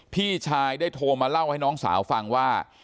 พี่ชายได้โทรมาเล่าให้น้องสาวฟังว่า